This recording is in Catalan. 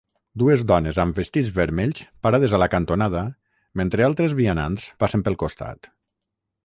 Dues dones amb vestits vermells parades a la cantonada mentre altres vianants passen pel costat.